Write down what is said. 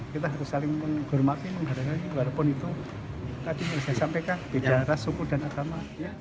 kita harus saling menghormati menghargai walaupun itu tadi tidak bisa disampaikan tidak ras suku dan agama